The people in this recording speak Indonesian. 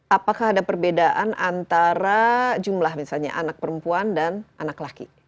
apakah ada perbedaan antara jumlah misalnya anak perempuan dan anak laki